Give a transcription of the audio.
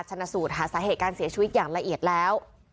ชนะสูตรหาสาเหตุการเสียชีวิตอย่างละเอียดแล้ว